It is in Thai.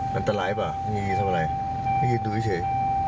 มันตรายป่ะมันยินยินทำอะไรไม่ยินดูให้เฉย